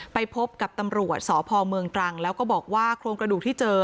ไปพบกับตำรวจสพเมืองตรังแล้วก็บอกว่าโครงกระดูกที่เจอ